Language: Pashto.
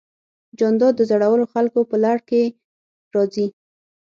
جانداد د زړورو خلکو په لړ کې راځي.